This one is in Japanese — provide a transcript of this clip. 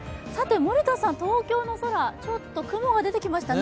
東京の空、ちょっと雲が出てきましたね？